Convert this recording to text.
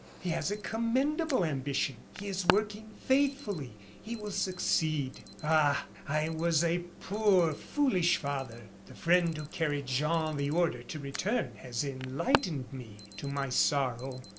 He has a commendable ambition; he is working faithfully; he will succeed.' Ah! I was a poor, foolish father! The friend who carried Jean the order to return has enlightened me, to my sorrow.